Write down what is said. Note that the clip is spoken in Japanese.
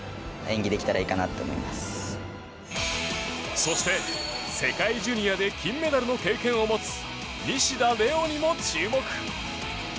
そして、世界ジュニアで金メダルの経験を持つ西田玲雄にも注目。